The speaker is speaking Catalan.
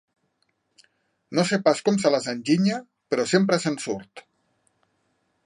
No sé pas com se les enginya, però sempre se'n surt.